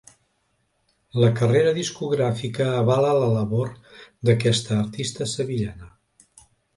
La carrera discogràfica avala la labor d'aquesta artista sevillana.